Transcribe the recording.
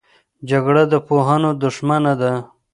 جګړه د پوهانو دښمنه ده